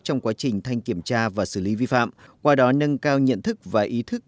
trong quá trình thanh kiểm tra và xử lý vi phạm qua đó nâng cao nhận thức và ý thức